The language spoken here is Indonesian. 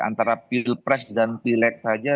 antara filpres dan filek saja